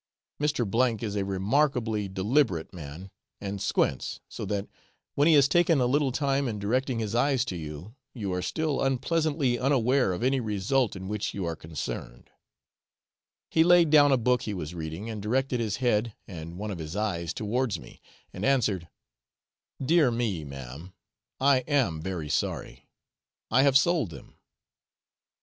Mr. O is a remarkably deliberate man, and squints, so that, when he has taken a little time in directing his eyes to you, you are still unpleasantly unaware of any result in which you are concerned; he laid down a book he was reading, and directed his head and one of his eyes towards me and answered, 'Dear me, ma'am, I am very sorry I have sold them.'